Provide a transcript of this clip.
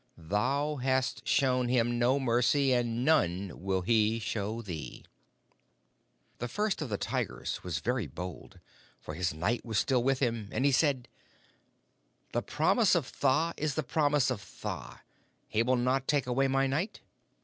Thou hast shown him no mercy, and none will he show thee.' "The First of the Tigers was very bold, for his Night was still on him, and he said: 'The Promise of Tha is the Promise of Tha. He will not take away my Night?'